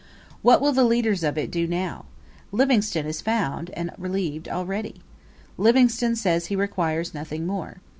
What will the leaders of it do now? Livingstone is found and relieved already. Livingstone says he requires nothing more.